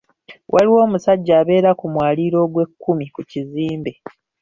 Waliwo omusajja abeera ku mwaliiro ogwekkumi ku kizimbe.